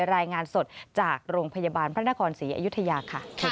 รายงานสดจากโรงพยาบาลพระนครศรีอยุธยาค่ะ